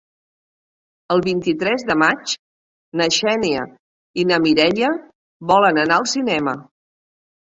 El vint-i-tres de maig na Xènia i na Mireia volen anar al cinema.